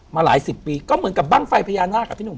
มาหลายสิบปีก็เหมือนกับบ้างไฟพญานาคอ่ะพี่หนุ่ม